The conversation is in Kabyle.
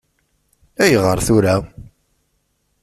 Ayɣer tura?